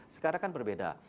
sekarang kan berbeda